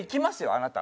あなた。